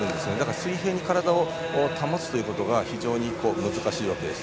水平に体を保つことが非常に難しいわけです。